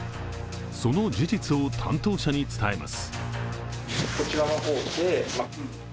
その事実を担当者に伝えます。